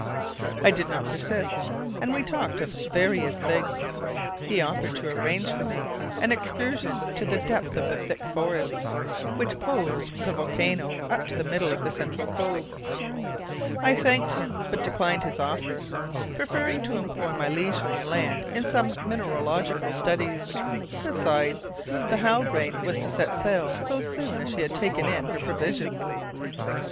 I did not persist, and we talked of various things. He offered to arrange for me an excursion to the depths of the thick forests, which clothed the volcano up to the middle of the central cove. I thanked him, but declined his offer, preferring to employ my leisure on land in some mineralogical studies. Besides, the Halbrane was to set sail so soon as she had taken in her provisions.